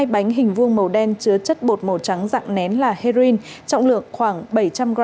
hai bánh hình vuông màu đen chứa chất bột màu trắng dạng nén là heroin trọng lượng khoảng bảy trăm linh g